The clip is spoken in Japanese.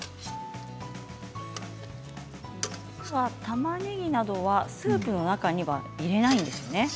たまねぎなどはスープには入れないんですよね。